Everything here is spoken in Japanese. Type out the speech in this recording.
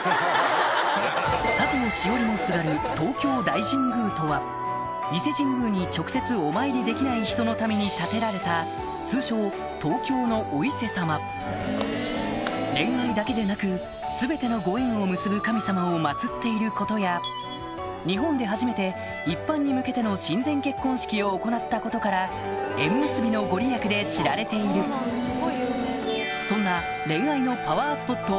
佐藤栞里もすがる東京大神宮とは伊勢神宮に直接お参りできない人のために建てられた通称恋愛だけでなくを祭っていることや日本で初めて一般に向けての神前結婚式を行ったことから縁結びの御利益で知られているそんな恋愛のパワースポット